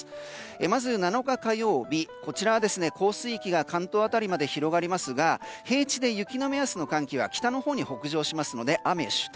まず７日、火曜日は関東辺りまで広がりますが平地で雪の目安の寒気は北のほうに北上しますので雨主体。